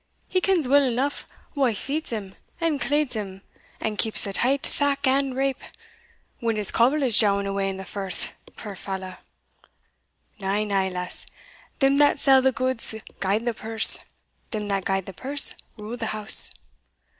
He kens weel eneugh wha feeds him, and cleeds him, and keeps a' tight, thack and rape, when his coble is jowing awa in the Firth, puir fallow. Na, na, lass! them that sell the goods guide the purse them that guide the purse rule the house.